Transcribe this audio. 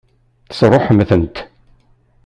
Tesṛuḥem-tent?